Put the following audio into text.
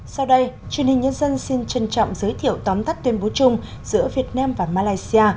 sau đây truyền hình nhân dân xin trân trọng giới thiệu tóm tắt tuyên bố chung giữa việt nam và malaysia